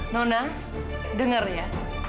nona dengar ya